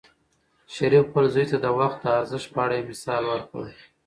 شریف خپل زوی ته د وخت د ارزښت په اړه یو مثال ورکړ.